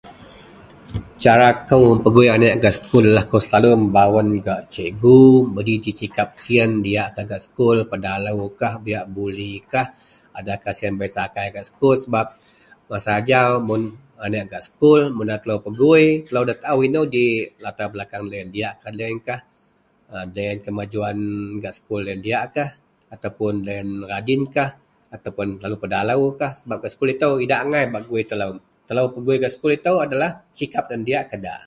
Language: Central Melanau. Cara kou pegui aneak gak sekullah selalu membawen gak sikgu beji-ji sikap siyen, diyakkah gak sekul, pedaloukah, buyak bulikah, adakah siyen beikah sakai gak sekul sebab masa ajau mun aneak gak sekul mun nda telui pegui telou nda taou inou ji latarbelakang deloyen, diyakkah deloyenkah, kemajuan gak sekul yen diyakkah ataupun deloyen rajinkah ataupun selalu pedaloukah sebab gak sekul itou idak angai bak gui telou, telou pegui gak sekul itou adalah sikap diyakkah nda.